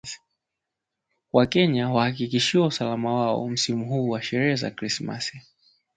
Wakenya wahakikishiwa usalama wao msimu huu wa sherehe za krimasi